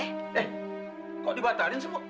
eh kok dibatalin semua